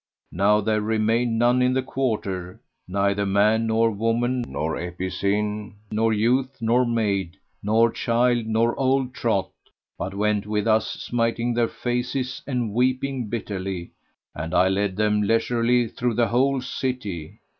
Now there remained none in the quarter, neither man nor woman, nor epicene, nor youth nor maid, nor child nor old trot, but went with us smiting their faces and weeping bitterly, and I led them leisurely through the whole city.